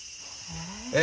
え？